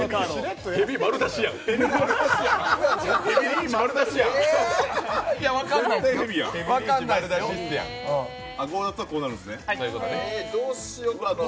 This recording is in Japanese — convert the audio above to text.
ヘビ丸出しやん。